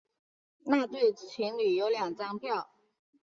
那对情侣有两张票